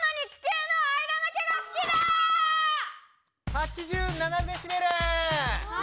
８７デシベル！